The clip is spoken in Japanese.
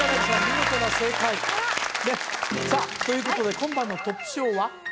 見事な正解さあということで今晩のトップ賞は？